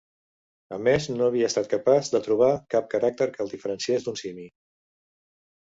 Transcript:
A més, no havia estat capaç de trobar cap caràcter que el diferenciés d'un simi.